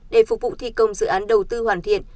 để phục vụ thi công dự án đầu tư hoàn thiện